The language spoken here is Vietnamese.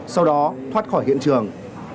sau đó thoát khỏi hiện trường